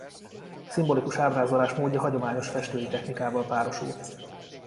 Szimbolikus ábrázolásmódja hagyományos festői technikával párosul.